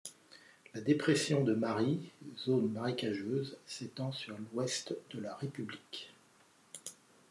La dépression de Mari, zone marécageuse, s'étend sur l'Ouest de la république.